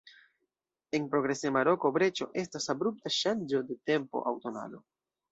En progresema roko breĉo estas abrupta ŝanĝo de tempo aŭ tonalo.